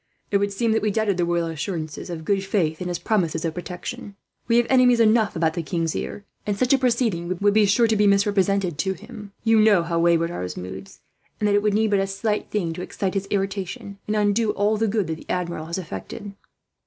"It would seem that we doubted the royal assurances of good faith, and his promises of protection. We have enemies enough about the king's ear, and such a proceeding would be surely misrepresented to him. You know how wayward are his moods, and that it would need but a slight thing to excite his irritation, and undo all the good that the Admiral has effected."